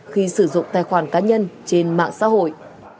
khi sử dụng tài khoản cá nhân trên mạng xã hội